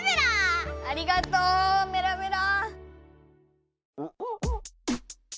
ありがとうメラメラ！